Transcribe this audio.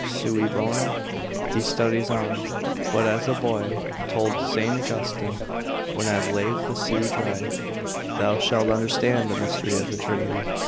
cui bono? He studies on, but as the boy told St. Austin, when I have laved the sea dry, thou shalt understand the mystery of the Trinity.